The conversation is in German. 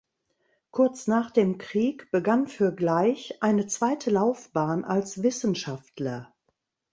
Kurz nach dem Krieg begann für Gleich eine zweite Laufbahn als Wissenschaftler.